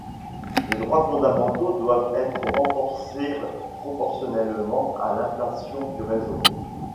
Les droits fondamentaux doivent être renforcés proportionnellement à l'inflation du réseau.